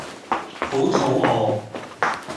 好肚餓